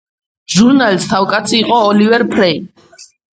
ჟურნალის თავკაცი იყო ოლივერ ფრეი.